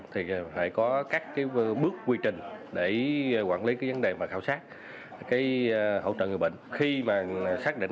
tại các bệnh viện quy trình hỗ trợ bệnh nhân gặp khó khăn